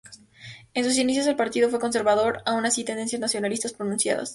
En sus inicios el partido fue conservador, aún sin tendencias nacionalistas pronunciadas.